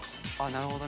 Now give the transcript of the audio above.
なるほど。